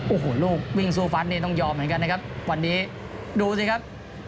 โอ้โหลูกวิ่งสู้ฟัดนี่ต้องยอมเหมือนกันนะครับวันนี้ดูสิครับ